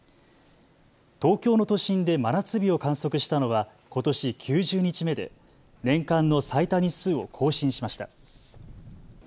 東京の都心で真夏日を観測したのはことし９０日目で年間の最多日数を更新しました。